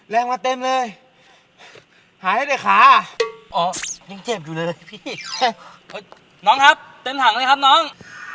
แรงมาเต็มเลยหายได้แต่ขาอ๋อยังเจ็บอยู่เลยพี่น้องครับเต็มถังเลยครับน้อง